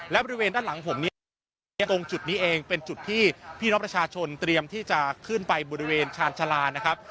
และบริเวณด้านหลังผมนี้ตรงจุดนี้เองเป็นจุดที่พี่น้องประชาชนเตรียมที่จะขึ้นไปบริเวณชาญชาลานะครับ